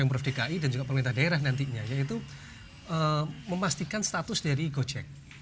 jadi member dki dan juga pemerintah daerah nantinya yaitu memastikan status dari gojek